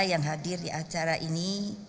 yang hadir di acara ini